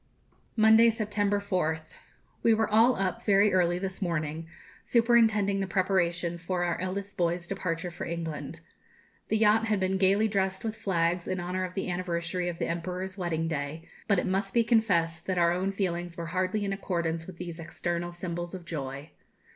Monday, September 4th. We were all up very early this morning, superintending the preparations for our eldest boy's departure for England. The yacht had been gaily dressed with flags, in honour of the anniversary of the Emperor's wedding day; but it must be confessed that our own feelings were hardly in accordance with these external symbols of joy.